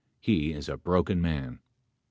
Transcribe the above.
He is a broken man. .